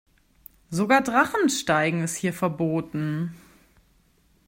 Sogar Drachensteigen ist hier verboten.